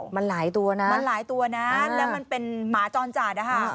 มันหลายตัวนะและมันเป็นหมาจรจาดนะคะ